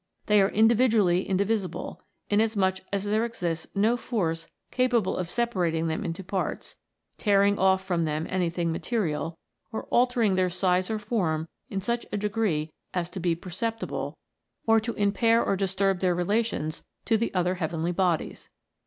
They are individually indivisible, inasmuch as there exists no force capable of separating them into parts, 74 A LITTLE BIT. tearing off from them anything material, or altering their size or form in such a degree as to be per ceptible, or to impair or disturb their relations to the other heavenly bodies.